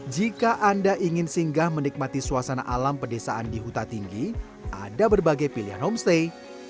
jika anda ingin singgah menikmati suasana alam pedesaan di huta tinggi ada berbagai pilihan homestay